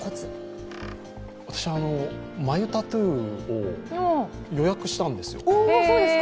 私、眉タトゥーを予約したんですよ。